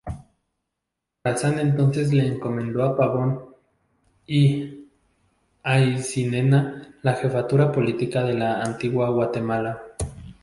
Morazán entonces le encomendó a Pavón y Aycinena la jefatura política de Antigua Guatemala.